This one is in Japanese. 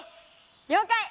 りょうかい！